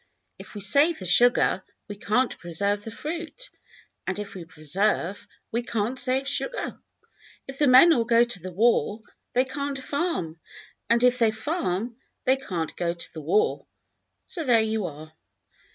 If we save the sugar, we can't preserve the fruit, and if we preserve, we can't save sugar. If the men all go to the war, they can't farm, and if they farm, they can't go to the war. So there you are.